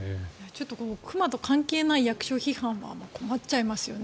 ちょっと熊と関係ない役所批判は困っちゃいますよね